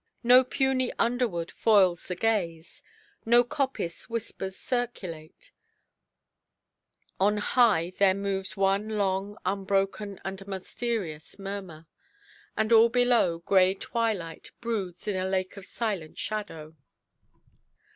No puny underwood foils the gaze, no coppice–whispers circulate; on high there moves one long, unbroken, and mysterious murmur, and all below grey twilight broods in a lake of silent shadow.